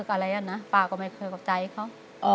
อะไรนะปากกว่าไม่เคยเข้าใจเขา